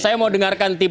saya mau dengarkan tim kamu